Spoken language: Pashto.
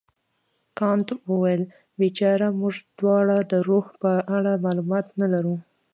کانت وویل بیچاره موږ دواړه د روح په اړه معلومات نه لرو.